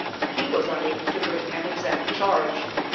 He was unable to bring an exact charge.